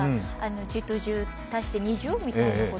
１０と１０、足して２０みたいな。